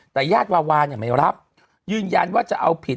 แต่ญาติวาวาเนี่ยไม่รับยืนยันว่าจะเอาผิด